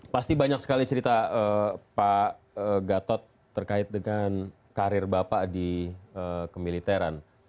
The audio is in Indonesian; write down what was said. pasti banyak sekali cerita pak gatot terkait dengan karir bapak di kemiliteran